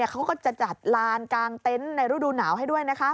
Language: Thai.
เขาก็จะจัดลานกลางเต็นต์ในฤดูหนาวให้ด้วยนะคะ